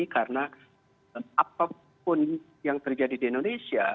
karena apapun yang terjadi di indonesia